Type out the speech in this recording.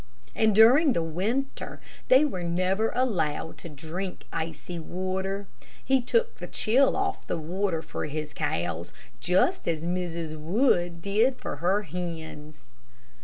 And during the winter they were never allowed to drink icy water. He took the chill off the water for his cows, just as Mrs. Wood did for her hens.